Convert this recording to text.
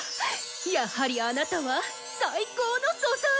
やはりあなたは最高の素材！